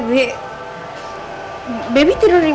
baby tidur dimana tidur disini